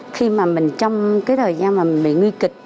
khi mà mình trong cái thời gian mà mình bị nguy kịch